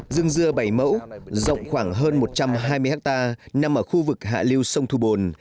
rừng dưa bảy mẫu rộng khoảng hơn một trăm hai mươi hectare nằm ở khu vực hạ liêu sông thu bồn